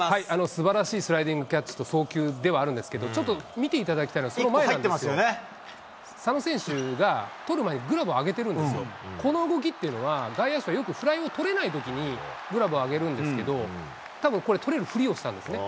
すばらしいダイビングキャッチと送球ではあるんですけど、ちょっと見ていただきたいのはそ佐野選手が捕る前にグラブを上げてるんですよ、この動きってのは外野手はよくフライを捕れないときにグラブを上げるんですけど、たぶんこれ、捕れるふりをしたんですね。